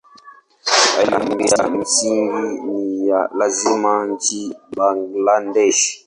Elimu ya msingi ni ya lazima nchini Bangladesh.